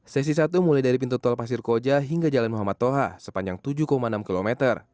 sesi satu mulai dari pintu tol pasir koja hingga jalan muhammad toha sepanjang tujuh enam km